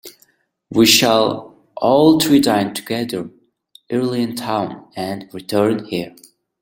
We shall all three dine together early in town, and return here.